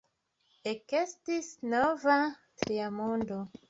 Ekestis nova, "tria mondo".